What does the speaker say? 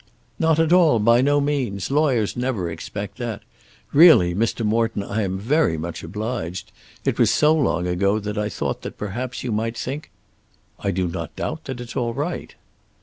"Not at all; by no means. Lawyers never expect that. Really, Mr. Morton, I am very much obliged. It was so long ago that I thought that perhaps you might think " "I do not doubt that it's all right."